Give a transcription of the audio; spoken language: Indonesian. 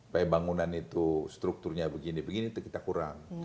pembangunan itu strukturnya begini begini itu kita kurang